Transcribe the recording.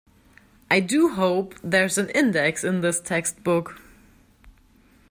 I do hope there's an index in this textbook.